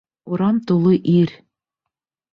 Урам тулы ир!